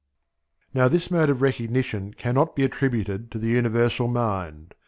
Now this mode of recognition cannot be attributed to the Universal Mind.